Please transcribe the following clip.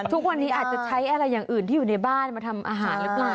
ทุกวันนี้อาจจะใช้อะไรอย่างอื่นที่อยู่ในบ้านมาทำอาหารหรือเปล่า